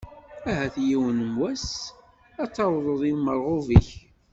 Ahat yiwen n wass ad tawḍeḍ lmerɣub-ik.